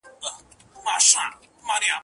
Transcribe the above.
په ټولیز ډول دا ټول اصطلاحات سره یو دي.